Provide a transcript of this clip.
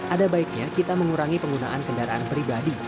ada baiknya kita mengurangi penggunaan kendaraan pribadi